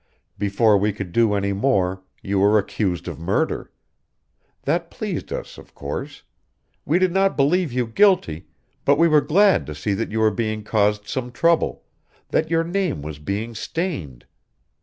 Before we could do any more, you were accused of murder. That pleased us, of course. We did not believe you guilty, but we were glad to see that you were being caused some trouble, that your name was being stained.